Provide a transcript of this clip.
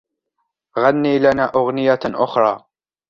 غني لنا أغنية أخرى.